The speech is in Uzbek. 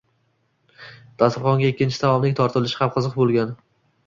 Dasturxonga ikkinchi taomning tortilishi ham qiziq bo’lgan.